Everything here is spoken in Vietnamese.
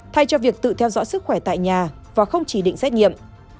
thay cho việc tự theo dõi sức khỏe tại nhà và không chỉ định xét nghiệm